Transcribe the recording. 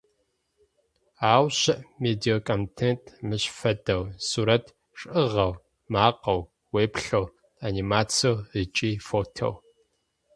Ау щыӏ медиаконтент мыщ фэдэу: сурэт шӏыгъэу, макъэу, уеплъэу, анимациеу ыкӏи фотэу.